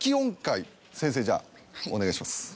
先生じゃあお願いします。